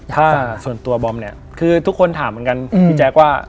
ถ้าส่วนตัวบอมเนี่ยคือทุกคนถามเหมือนกันพี่แจ๊คว่า